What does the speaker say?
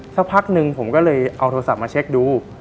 สักพักหนึ่งผมก็เลยเอาโทรศัพท์มาเช็คดู